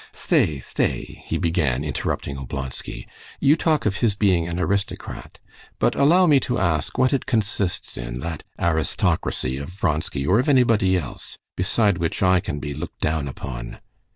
"Stay, stay," he began, interrupting Oblonsky. "You talk of his being an aristocrat. But allow me to ask what it consists in, that aristocracy of Vronsky or of anybody else, beside which I can be looked down upon?